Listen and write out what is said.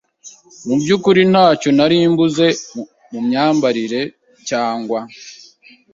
mu byukuri ntacyo nari mbuze mu myambarire cyangwa